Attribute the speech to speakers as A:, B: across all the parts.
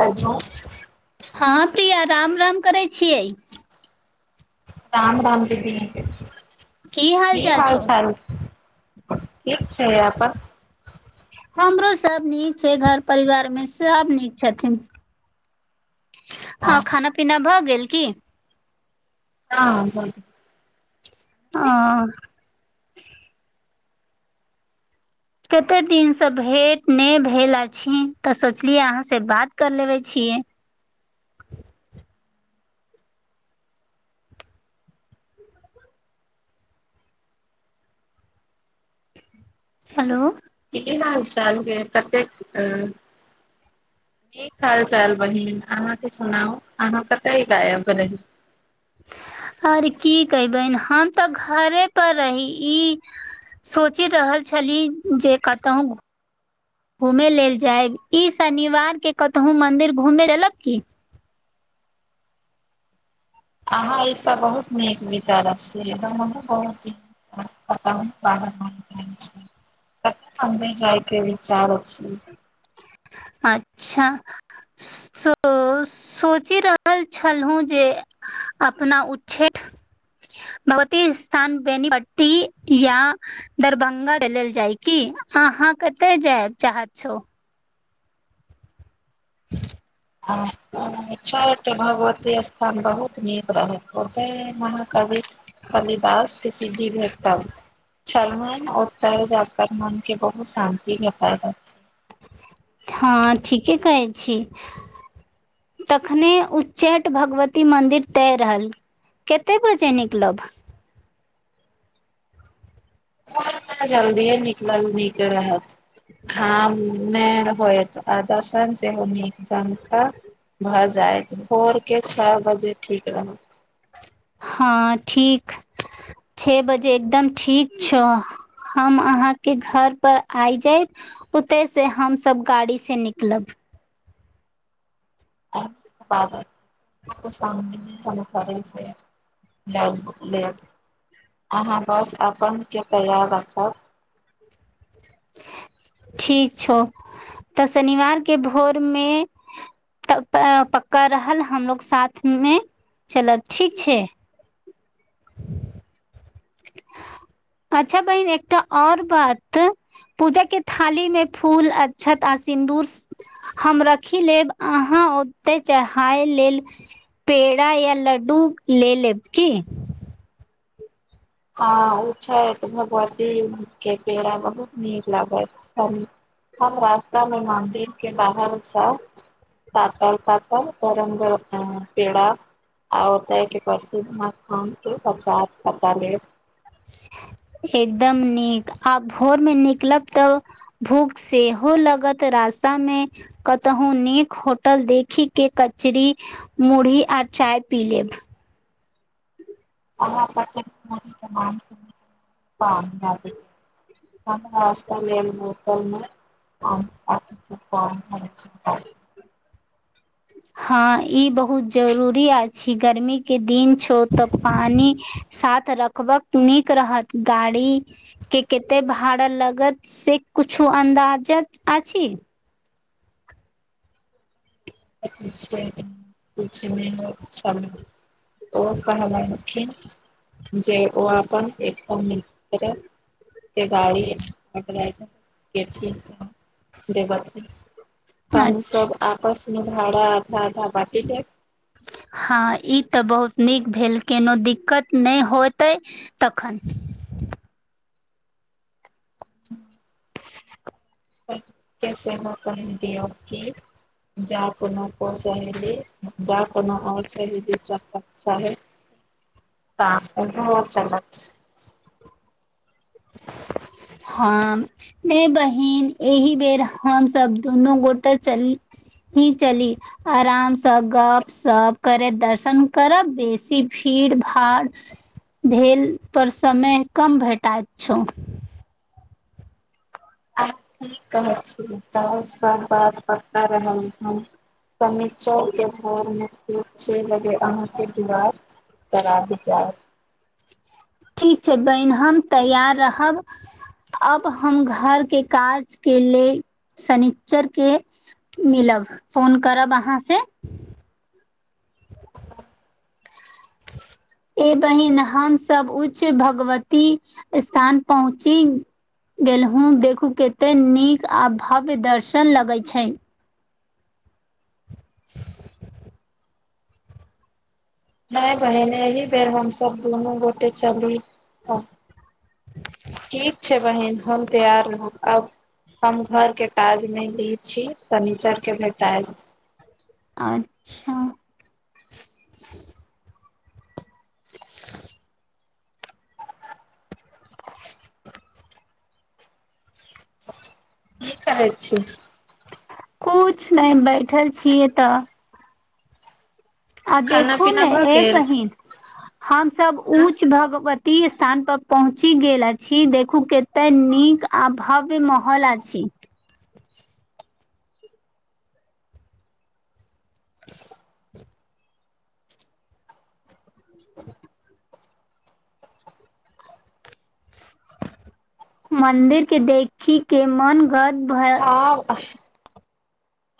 A: आ जौ
B: हँ प्रिया राम राम करै छियै।
A: राम राम दीदी की हाल -चाल ठीक छैय अपन-
B: हमरो सब नीक छै घर परिवार मे सब निक छथिन। अ खाना पीना भऽ गेल की?
A: हँ [unintelligible]
B: अँ कते दिन से भेंट नै भेल अछि तऽ सोचलियै आहाँ से बात कर लेबे छियै। हेलो
A: की हाल- चाल गे कतेक अँ। निक हाल- चाल बहिन आहाँके सुनाउ आहाँ कतेय गायब रहै।
B: आर की कहि बहिन हम तऽ घरे पर रही ई। सोचि रहल छली जे कतहूँ। घुमे लेल जायब ई शनिवार के कतहु मन्दिर घुमे लेल की।
A: आहाँ ई तऽ बहुत नीक विचार छी हमहुँ बहुत निक- पता [unintelligible] [unintelligible] मन्दिर जाइके विचारो छी।
B: अच्छा सो सोचि रहल छेलहुँ जे। अपना उच्छेद। भगबती स्थान बेनी पट्टी या। दरभंगा लेल जाय की आहाँ कतऽ जेएब चाहत छौ? [unintelligible]
A: छठ भगवती स्थान बहुत नीक रहै ओतेै महाकवि। कालिदास के सिद्धि भेटल छेलहुँ [unintelligible] ते जाकर मनके बहुत शान्ति भेटल देत।
B: हँ ठीके कहै छी। तखने उच्चैठ भगवती मन्दिर तय रहल। कते बजे निकलब?
A: जल्दीए निकलल नीक रहत धाम- नै होयत आ दोसर सेहो निक जैन कऽ। भऽ जायइत भोर के छ बजे ठीक रहत।
B: हँ ठीक छे बजे एकदम ठीक छौ। हम आहाँके घर पर आय जायब। ओतेैसे हमसब गाड़ी से निकलब।
A: बाबा [unintelligible] करै से। लब लेब आहाँ बस अपन के तैयार रखब।
B: ठीक छौ तऽ शनिवार के भोरमे- तऽ पक्का रहल हमलोग साथ मे चलब ठीक छै। अच्छा बहिन एकटा और बात- पूजा के थाली मे फूल अक्षत आ सिन्दूर स- हम रखी लेब अहाँ ओत्तै चढ़ाइ लेल पेड़ा या लड्डू ले लेब की?
A: हँ ओ छै त भगवती के पेड़ा बहुत नीक लागत। हम रास्ता मे मन्दिर के बाहर सँ पातल- पातल गरम गर म पेड़ा आ ओतय के प्रसिद्ध मखान के प्रसाद पत्ता लेब।
B: एकदम नीक आब भोर मे निकलब तऽ भूख सेहो लगत रास्ता मे। कतहू नीक होटल देखी के कचरी मुरही आ चाय पी लेब।
A: अाँान [inaudible] आ मतमे [unintelligible] बोतल मे [inaudible]
B: हँ इ बहुत जरूरी अछि गर्मी के दिन छो तऽ पानी साथ रखबक नीक रहत गाड़ी के केते भाड़ा लगत से कुछु अन्दाजत अछि?
A: तर् तीच सम [inaudible] ओ कहलखिन जे ओ अपन ए कम्मी के गाड़ी रखलथि हें। के [unintelligible] हम
B: अच्छा
A: सब आपस भाड़ा आधा- आधा बांटि के
B: हँ इ त बहुत नीक भेल केनो दिक्कत नै होतै। तखन
A: कैसे मकडौ [unintelligible] कि जा कोनो सी जा कोनो आओर स च [inaudible] त [inaudible]
B: हम नै बहिन एहि बेर हमसब दुनू गोटे चली ही चली। आराम सँ गप- सप करैत दर्शन करब बेसी भीड़- भाड़ भेल पर समय कम भेटायत छौं।
A: आ की कहै छी तैं सब बात बता रहल हँ। शनिचर के भोर मे छे लगे अहाँके दुआर पर आबि जायब।
B: ठीक छै बहिन हम तैयार रहब। अब हम घर के काज के ले शनिच्चर के मिलब फोन करब अहाँ से। ए बहिन हमसब उच्च भगवती स्थान पहुँची गेलहुँ देखू केते नीक आ भव्य दर्शन लगै छैन। [inaudible]
A: नै बहीन एहि बेर हमसब दुनू गोटे चली ठीक छै बहिन हम तैयार रहब आब हम घर के काज मे लीन छी शनीचर के भेटायब।
B: अच्छा। [inaudible] [inaudible]
A: की कहे छी।
B: कुछ नहि बैठल छियै तऽ। आ
A: खाना
B: देखू
A: पीना
B: ने
A: भऽ
B: ए
A: गेल
B: बहिन हमसब
A: हँ
B: उच्च भगवती। ती स्थान पर पहुँची गेल अछि देखू कते नीक आ भव्य महल अछि। [inaudible] [inaudible] मन्दिर के देखी के मनगद।
A: हँ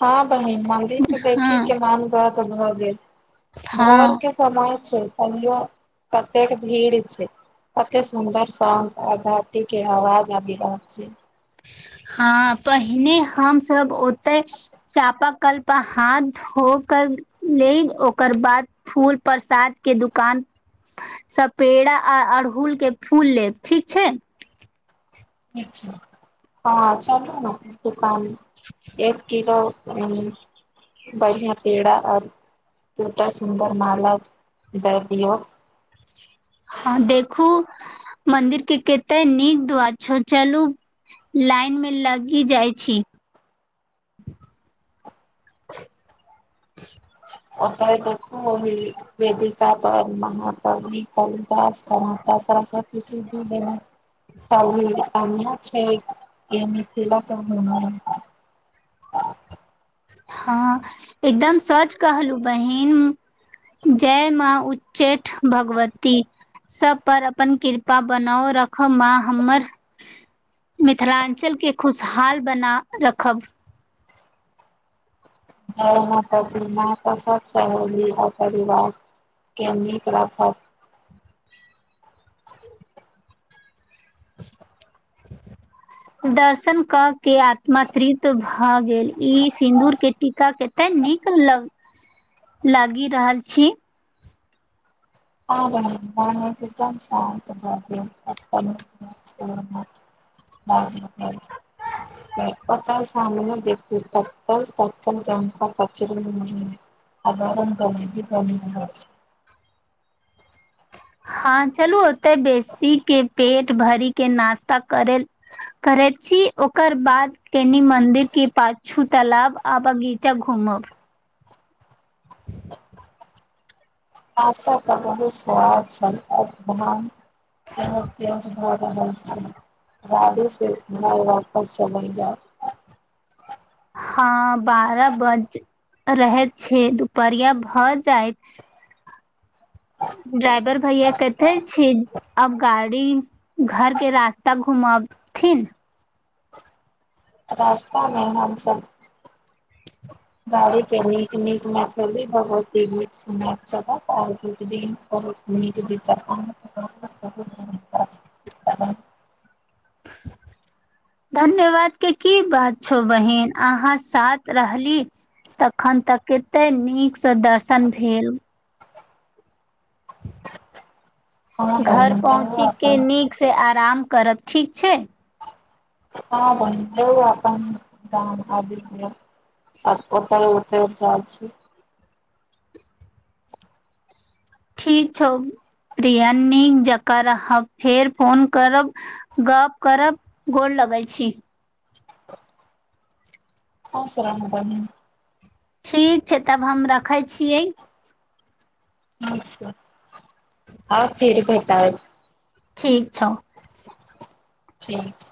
A: हँ बहिन मन्दिर के देखी
B: हँ
A: के मोन। तऽ भऽ गेल भर
B: हँ
A: के। समय छै तहियो ततेक भीड़ छै। कते सुदर सां घाटी के आवाज आबि रहल छै।
B: हँ पहिने हमसभ ओते। चापा कल्पा हाथ धो कर लेब ओकर बाद। फूल प्रसाद के दुकान। सपेड़ा आ अड़हुल के फूल लेब ठीक छै।
A: ठीक छै। हँ चलू न दुकान एक किलो। बढ़िया पेड़ा आऔर दूटा सुन्दर माला द दियौ।
B: हँ देखू मन्दिर के कते नीक द्वार छौ चलू। लाइन मे लगी जाइ छी।
A: ओतय देखकह। वेदिका पर मह कवि कालिदास कर मसि। [unintelligible]
B: हँ एकदम सच कहलहु बहिन जय माँ उ। उचेठ भगवती। सब पर अपन कृपा बनाओ रखब माँ हमर। मिथिलाञ्चलके खुशहाल बना रखब।
A: जय माता दी न कस सहली आ परिवार। केमनी खराब ख।
B: [unintelligible] [inaudible] दर्शन क के आत्म तृप भ गेल इ सिंन्दूर के टीका कते निक लग। लागि रहल छी।
A: [unintelligible] [unintelligible]
B: [unintelligible]
A: कत सामने देखू तल ततल जक कच। [unintelligible]
B: हँ चलू ओते बेसी के पेट भर के नास्ता करल। करैत छी ओकर बाद कनि मंन्दिर के पाछू तालब आ बगीचा घूमब।
A: पास्ता तऽ बहुत स्वाद छल आओर। त त बहुत आदाम स। बादे सेिर घर वापस छलैया।
B: हँ बारह बज रहे छै दुपहरिया भऽ जायत ड्राइवर भैया कतेै छी आब गाड़ी घर के रास्ता घुमबथिन
A: रास्तामे हमसब गाड़ी के नीक नीक मैथिली भगवती गीत सुनेब जगत और नीक दिन बहुत नीक [unintelligible]
B: [unintelligible] धन्यवादके की बात छौ बहिन अहाँ साथ रहली तखन तऽ कते नीक से दर्शन भेल
A: अहाँ
B: घर
A: अभिनंदन
B: पहुँची के
A: अपन
B: नीक से आराम करब ठीक छै
A: हँ बहिन बउओ अपन आबि गेल आ ओत उतेर जाए छी
B: ठीक छौ प्रिया नीक जकाँ रहब फेर फोन करब गप्प करब गोरलगै छी
A: खुश रह बहिन
B: ठीक छै तब हम रखै छियै
A: ठीक छै हँ फेर भेटायब
B: ठीक छौ
A: ठीक